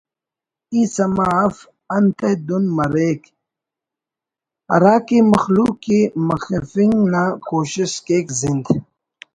ای سما اف انتئے دن مریک ہرا کہ مخلوق ءِ مخفنگ نا کوشست کیک زند